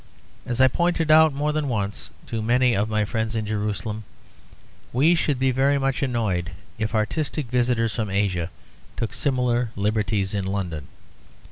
As I pointed out more than once to many of my friends in Jerusalem, we should be very much annoyed if artistic visitors from Asia took similar liberties in London.